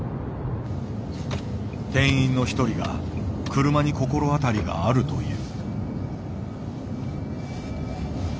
店員の一人が車に心当たりがあるという。